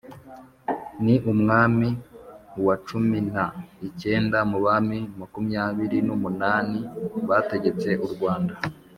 Ni umwami wa cumin a icyenda mu bami makumyabiri n’umunani bategetse u Rwanda